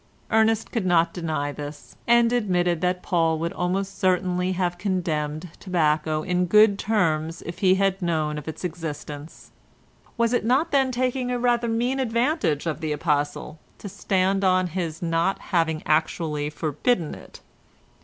Ernest could not deny this, and admitted that Paul would almost certainly have condemned tobacco in good round terms if he had known of its existence. Was it not then taking rather a mean advantage of the Apostle to stand on his not having actually forbidden it?